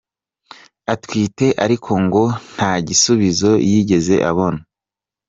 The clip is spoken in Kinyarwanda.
atwite ariko ngo nta gisubizo yigeze abona.